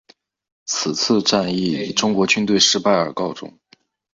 此次战役以中国军队失败而告终。